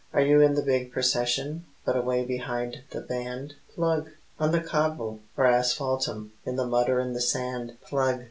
Are you in the big procession, but away behind the band? Plug! On the cobble, or asphaltum, in the mud or in the sand, Plug!